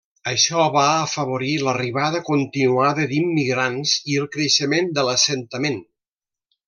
Això va afavorir l'arribada continuada d'immigrants i el creixement de l'assentament.